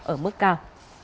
ở mức cao